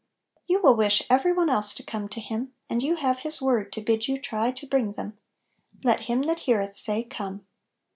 You will wish every one else to come to Him, and you have His word to bid you try to bring them: "Let him that heareth say, Come!"